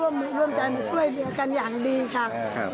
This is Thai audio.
ว่ามันช่วยถึงกันอย่างดีครับ